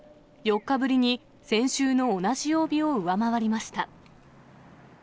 ４日ぶりに、先週の同じ曜日を上回りました。